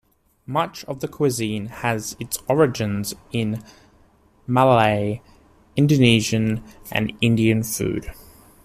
Much of the cuisine has its origins in Malay, Indonesian, and Indian food.